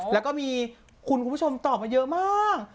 แล้วก็มีคุณผู้ชมตอบมาเยอะมาก